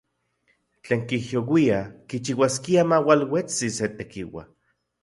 Tlen kijyouia kichiuaskia maualuetsi se tekiua.